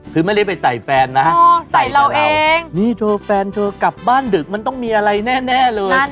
คือไม่ได้ไปใส่แฟนนะใส่เราเองนี่เธอแฟนเธอกลับบ้านดึกมันต้องมีอะไรแน่เลย